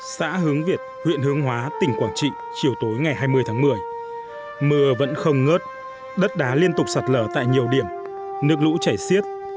xã hướng việt huyện hướng hóa tỉnh quảng trị chiều tối ngày hai mươi tháng một mươi mưa vẫn không ngớt đất đá liên tục sạt lở tại nhiều điểm nước lũ chảy xiết